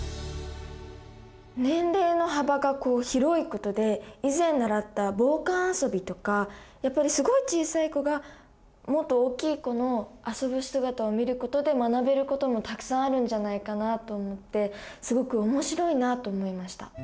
年齢の幅が広いことで以前習った傍観遊びとかやっぱりすごい小さい子がもっと大きい子の遊ぶ姿を見ることで学べることもたくさんあるんじゃないかなと思ってすごく面白いなあと思いました。